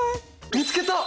見つけた？